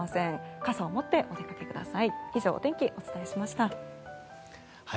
傘を持ってお出かけください。